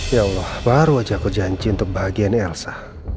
ya allah baru aja aku janji untuk bahagiannya elsa